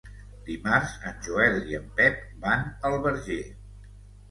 Dimarts en Joel i en Pep van al Verger.